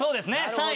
３位。